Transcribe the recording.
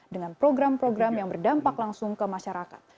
dengan program program yang berdampak langsung ke masyarakat